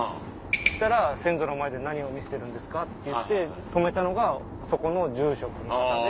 したら先祖の前で何を見せてるんですかっていって止めたのがそこの住職の方で。